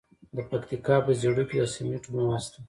د پکتیکا په زیروک کې د سمنټو مواد شته.